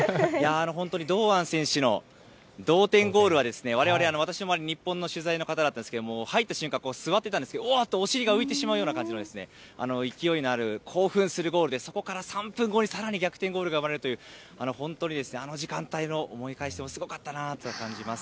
本当に堂安選手の同点ゴールはですね、われわれ、私の周り、日本の取材の方だったんですけど、入った瞬間、座ってたんですけど、おわっとお尻が浮いてしまうような感じの勢いのある興奮するゴールで、そこから３分後にさらに逆転ゴールが生まれるという、本当にあの時間帯の、思い返してもすごかったなと感じます。